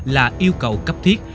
là yêu cầu cấp thiết